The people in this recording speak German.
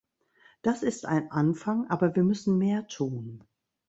Das ist ein Anfang, aber wir müssen mehr tun.